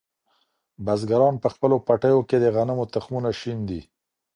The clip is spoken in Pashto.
بزګران په خپلو پټیو کې د غنمو تخمونه شیندي.